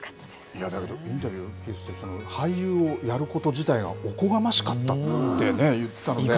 いやだけど、インタビューお聞きして、俳優をやること自体がおこがましかったっておっしゃってたので。